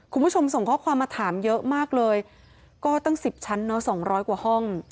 คุณผู้ชมส่งข้อความมาถามเยอะมากเลยก็ตั้ง๑๐ชั้นเนอะ๒๐๐กว่าห้อง